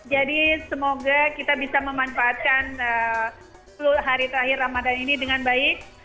jadi semoga kita bisa memanfaatkan seluruh hari terakhir ramadhan ini dengan baik